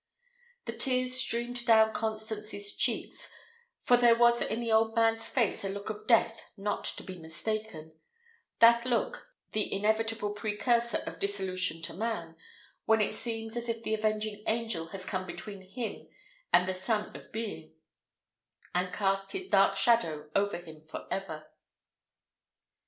The tears streamed down Constance's cheeks, for there was in the old man's face a look of death not to be mistaken; that look, the inevitable precursor of dissolution to man, when it seems as if the avenging angel had come between him and the sun of being, and cast his dark shadow over him for ever.